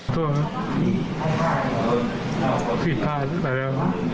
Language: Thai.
โทษนะ